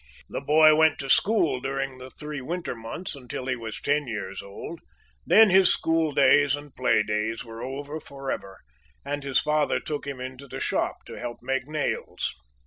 The boy went to school during the three winter months, until he was ten years old; then his school days and play days were over forever, and his father took him into the shop to help make nails.